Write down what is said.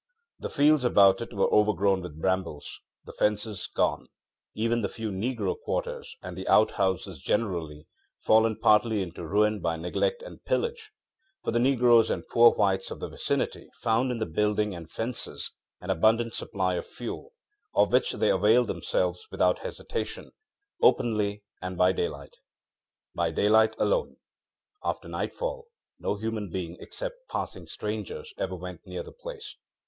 The fields about it were overgrown with brambles, the fences gone, even the few negro quarters, and out houses generally, fallen partly into ruin by neglect and pillage; for the negroes and poor whites of the vicinity found in the building and fences an abundant supply of fuel, of which they availed themselves without hesitation, openly and by daylight. By daylight alone; after nightfall no human being except passing strangers ever went near the place.